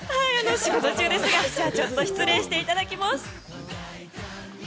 仕事中ですがちょっと失礼していただきます。